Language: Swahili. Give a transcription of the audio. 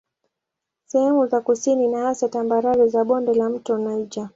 Sehemu za kusini ni hasa tambarare za bonde la mto Niger.